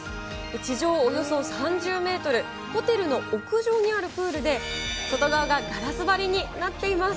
地上およそ３０メートル、ホテルの屋上にあるプールで、外側がガラス張りになっています。